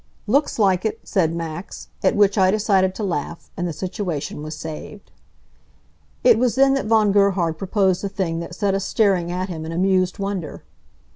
"Looks like it," said Max, at which I decided to laugh, and the situation was saved. It was then that Von Gerhard proposed the thing that set us staring at him in amused wonder.